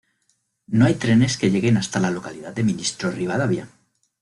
No hay trenes que lleguen hasta la localidad de Ministro Rivadavia.